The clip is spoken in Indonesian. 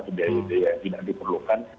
atau biaya biaya yang tidak diperlukan